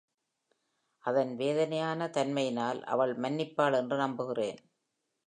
அதன் வேதனையான தன்மையினால் அவள் மன்னிப்பாள் என்று நம்புகிறேன்.